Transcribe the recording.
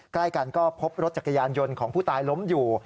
ใกล้กันก็พบรถจักรยานยนต์ของผู้ตายล้มอยู่